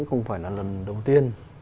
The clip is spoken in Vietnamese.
không phải là lần đầu tiên